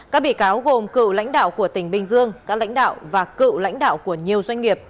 các bị cáo gồm cựu lãnh đạo của tỉnh bình dương các lãnh đạo và cựu lãnh đạo của nhiều doanh nghiệp